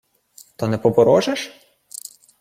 — То не поворожиш?